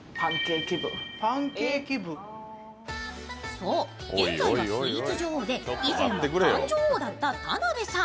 そう、現在はスイーツ女王で以前はパン女王だった田辺さん。